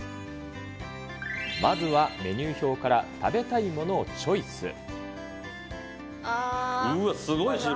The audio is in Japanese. まずはメニュー表から食べたいもうわ、すごい種類。